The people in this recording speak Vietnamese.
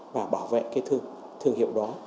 và bảo vệ thương hiệu đó